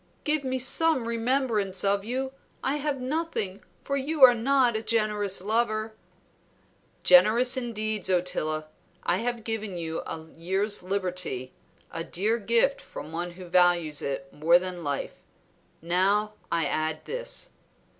"Give me some remembrance of you. I have nothing, for you are not a generous lover." "Generous in deeds, Ottila. I have given you a year's liberty, a dear gift from one who values it more than life. Now I add this."